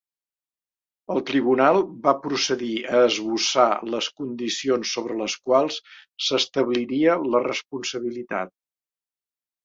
El tribunal va procedir a esbossar les condicions sobre les quals s'establiria la responsabilitat.